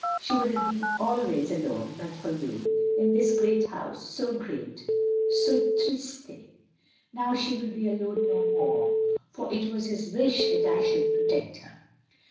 She would have been always alone, but for you, in this great house — so great, so triste. Now she will be alone no more; for it was his wish that I should protect her.